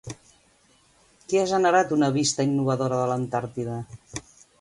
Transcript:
Qui ha generat una vista innovadora de l'Antàrtida?